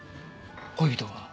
恋人は？